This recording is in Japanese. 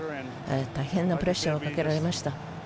大変なプレッシャーをかけられました。